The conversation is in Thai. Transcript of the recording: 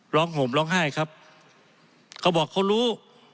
ห่มร้องไห้ครับเขาบอกเขารู้